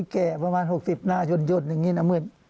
แก่ประมาณ๖๐หน้าย่นอย่างนี้นะมืด